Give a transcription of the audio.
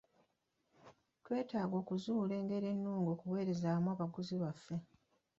Twetaaga okuzuula engeri ennungi okuweerezaamu abaguzi baffe.